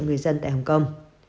người dân tại hồng kông